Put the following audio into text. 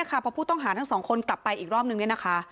เพราะผู้ต้องหาทั้งสองคนกลับไปอีกรอบหนึ่งนะคะ